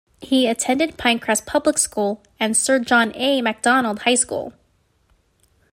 He attended Pinecrest Public School and Sir John A. Macdonald High School.